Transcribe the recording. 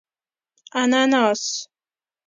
🍍 انناس